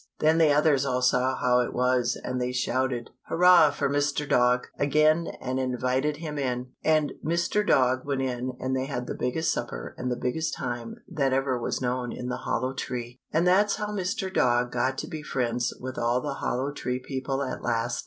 Then the others all saw how it was and they shouted, "Hurrah for Mr. Dog!" again and invited him in. And Mr. Dog went in and they had the biggest supper and the biggest time that ever was known in the Hollow Tree. And that's how Mr. Dog got to be friends with all the Hollow Tree people at last.